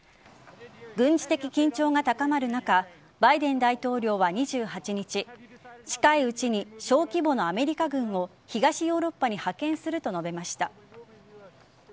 軍事的緊張が高まる中バイデン大統領は２８日近いうちに小規模のアメリカ軍を東ヨーロッパに派遣すると述べました。